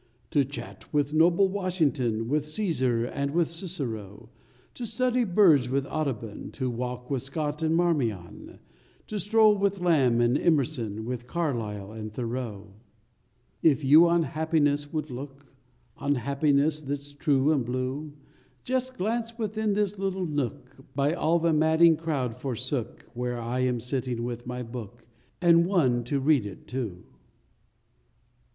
To chat with noble Washington, With Caesar and with Cicero ; To study birds with Audubon; To walk with Scott and Marmion ; To stroll with Lamb and Emerson, With Carlyle and Thoreau! [ 41 ] If you on happiness would look, On happiness that s true and blue, Just glance within this little nook By all the madding crowd forsook Where I am sitting with my book And One to read it to !